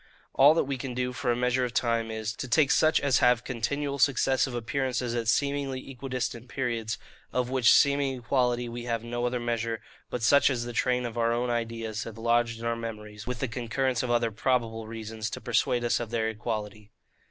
All that we can do for a measure of time is, to take such as have continual successive appearances at seemingly equidistant periods; of which seeming equality we have no other measure, but such as the train of our own ideas have lodged in our memories, with the concurrence of other PROBABLE reasons, to persuade us of their equality.